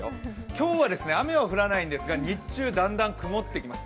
今日は雨は降らないんですが日中、だんだん曇ってきます。